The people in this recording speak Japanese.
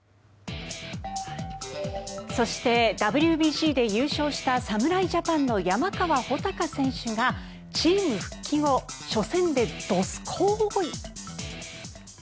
そして、ＷＢＣで優勝した侍ジャパンの山川穂高選手がチーム復帰後初戦でどすこーい！